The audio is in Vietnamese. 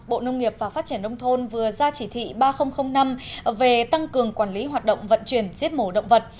bộ nông nghiệp và phát triển nông thôn vừa ra chỉ thị ba nghìn năm về tăng cường quản lý hoạt động vận chuyển giết mổ động vật